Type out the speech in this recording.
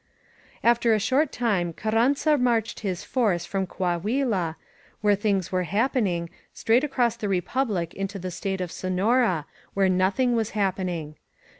After a short time Carranza marched his force from Coahuila, where things were happening, straight across the Republic into the State of Sonora, where nothing was happening.